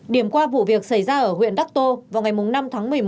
điểm qua vụ việc xảy ra ở huyện đắc tô vào ngày năm tháng một mươi một